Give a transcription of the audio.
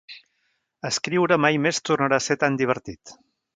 Escriure mai més tornarà a ser tan divertit.